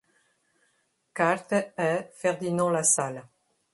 Carta a Ferdinand Lassalle